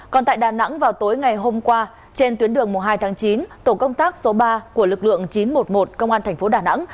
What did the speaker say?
còn tại đà nẵng vào tối ngày hôm qua trên tuyến đường hai tháng chín tổ công tác số ba của lực lượng chín trăm một mươi một công an thành phố đà nẵng